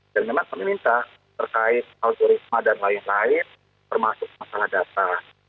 dan memang kami minta terkait algoritma dan lain lain termasuk masalah data